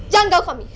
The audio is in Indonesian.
jangan gau kami